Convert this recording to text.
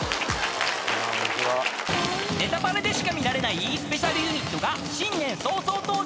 ［『ネタパレ』でしか見られないスペシャルユニットが新年早々登場！］